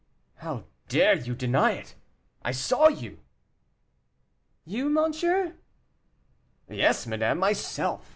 "How dare you deny it? I saw you." "You, monsieur?" "Yes, madame, myself.